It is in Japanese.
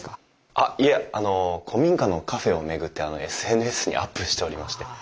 あっいえあの古民家のカフェを巡ってＳＮＳにアップしておりまして。